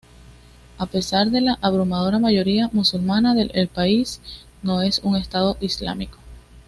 A pesar de la abrumadora mayoría musulmana, el país no es un estado islámico.